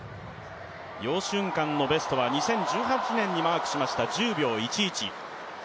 楊俊瀚のベストは２０１８年にマークしました１０秒１１。